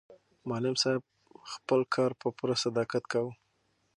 معلم صاحب خپل کار په پوره صداقت کاوه.